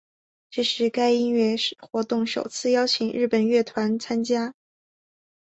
这是该音乐活动首次邀请日本乐团参加。